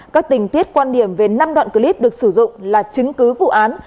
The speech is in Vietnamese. các tình tiết quan điểm về năm đoạn clip được sử dụng là chứng cứ vụ án